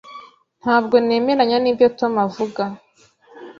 Ntabwo nemeranya nibyo Tom avuga.